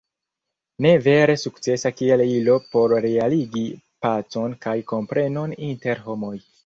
Ne vere sukcesa kiel ilo por realigi pacon kaj komprenon inter homoj.